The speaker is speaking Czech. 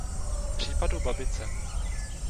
Případu Babice.